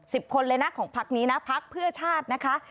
คนเลยนะของพักนี้นะพักเพื่อชาตินะคะ